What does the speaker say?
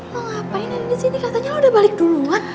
lu ngapain aja disini katanya lu udah balik duluan